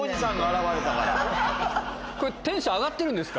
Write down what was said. テンション上がってるんですか？